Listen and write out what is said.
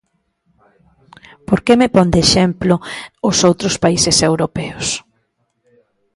¿Por que me pon de exemplo os outros países europeos?